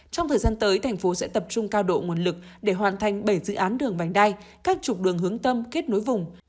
trong thời gian tới thành phố sẽ tập trung cao độ nguồn lực để hoàn thành bảy dự án đường vành đai các trục đường hướng tâm kết nối vùng